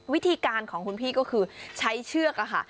วิธีการของคุณพี่ก็คือใช้เชือกอะค่ะ